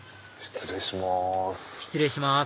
失礼します。